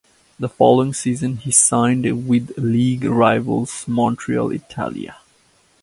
The following season he signed with league rivals Montreal Italia.